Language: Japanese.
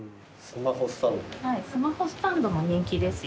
スマホスタンドも人気です。